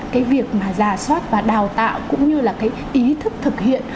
cái việc mà giả soát và đào tạo cũng như là cái ý thức thực hiện